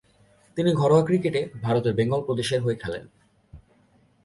তিনি ঘরোয়া ক্রিকেটে ভারতের বেঙ্গল প্রদেশের হয়ে খেলেন।